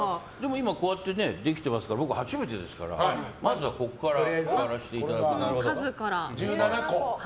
今、こうやってできてますから僕初めてですからまずはここからやらせていただく。